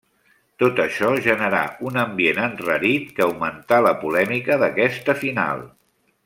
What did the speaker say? Tot això generà un ambient enrarit que augmentà la polèmica d'aquesta final.